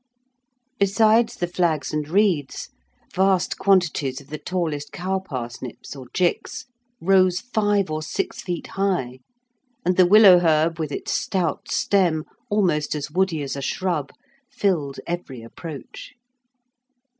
Besides the flags and reeds, vast quantities of the tallest cow parsnips or "gicks" rose five or six feet high, and the willow herb with its stout stem, almost as woody as a shrub, filled every approach.